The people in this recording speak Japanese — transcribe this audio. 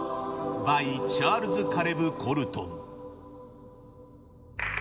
バイチャールズ・カレブ・コルトン。